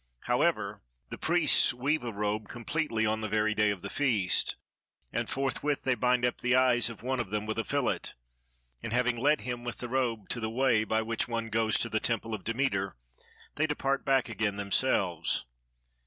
However, the priests weave a robe completely on the very day of the feast, and forthwith they bind up the eyes of one of them with a fillet, and having led him with the robe to the way by which one goes to the temple of Demeter, they depart back again themselves.